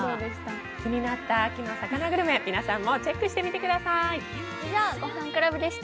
気になった秋の魚グルメ、皆さんもチェックしてみてください。